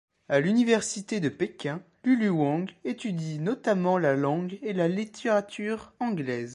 À l'université de Pékin, Lulu Wang étudie notamment la langue et la littérature anglaise.